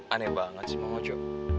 aneh banget sih mang ojo